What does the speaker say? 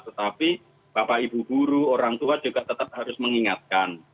tetapi bapak ibu guru orang tua juga tetap harus mengingatkan